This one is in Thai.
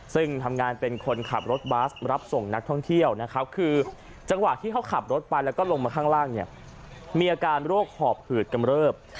ซึ่งทำงานเป็นคนขับรถบัสรับส่งนักท่องเที่ยวนะครับคือจังหวะที่เขาขับรถไปแล้วก็ลงมาข้างล่างเนี่ยมีอาการโรคหอบหืดกำเริบ